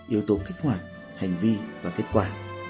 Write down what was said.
yếu tố kích hoạt hành vi và kết quả